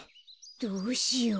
どうしよう。